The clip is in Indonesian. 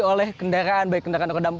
oleh kendaraan baik kendaraan roda empat